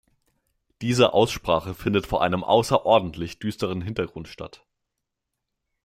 Diese Aussprache findet vor einem außerordentlich düsteren Hintergrund statt.